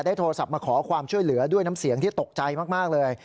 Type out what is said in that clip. โทรศัพท์มาขอความช่วยเหลือด้วยน้ำเสียงที่ตกใจมากเลย